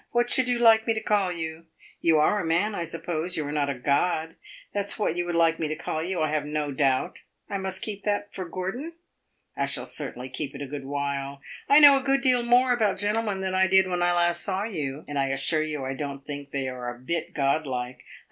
What should you like me call you? You are a man, I suppose; you are not a god. That 's what you would like me to call you, I have no doubt. I must keep that for Gordon? I shall certainly keep it a good while. I know a good deal more about gentlemen than I did when I last saw you, and I assure you I don't think they are a bit god like.